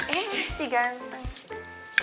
eh si ganteng